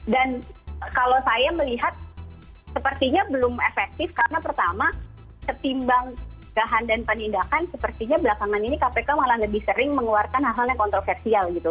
dan kalau saya melihat sepertinya belum efektif karena pertama ketimbang kegahan dan penindakan sepertinya belakangan ini kpk malah lebih sering mengeluarkan hal hal yang kontroversial gitu